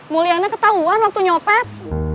muliannya ketahuan waktu nyopet